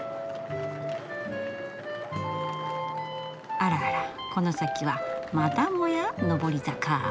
あらあらこの先はまたもや上り坂。